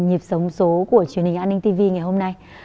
nhịp sống số của truyền hình an ninh tv ngày hôm nay